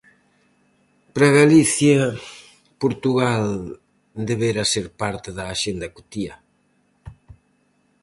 Para Galicia, Portugal debera ser parte da axenda cotiá.